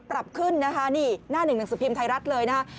ปรับขึ้นนะคะนี่หน้าหนึ่งหนังสือพิมพ์ไทยรัฐเลยนะฮะ